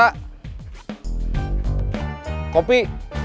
saya sedang ke depan